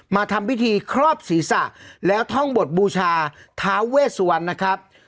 มาทำพิธีครอบศีรษะแล้วท่องบทบูชาท้าเวสวรรณนะครับ